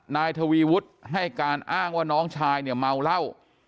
นายทวีวุฒิให้การอ้างว่าน้องชายเนี่ยเมาเหล้า